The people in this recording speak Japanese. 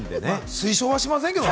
推奨はしませんけど。